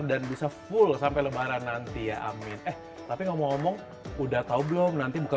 dan bisa full sampai lembaran nanti ya amin eh tapi ngomong ngomong udah tahu belum nanti buka